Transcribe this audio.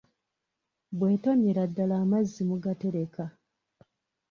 Bw'etonnyera ddala amazzi mugatereka.